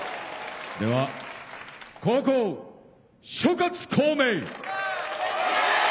では後攻諸葛孔明。